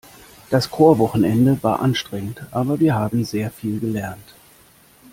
Das Chorwochenende war anstrengend, aber wir haben sehr viel gelernt.